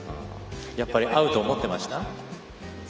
やっぱり合うと思ってました？